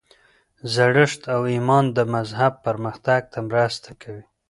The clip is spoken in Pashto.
زړښت او ایمان د مذهب پرمختګ ته مرسته کوي.